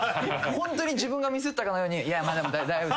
ホントに自分がミスったかのようにいやまあでも大丈夫。